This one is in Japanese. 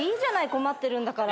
困ってるんだから。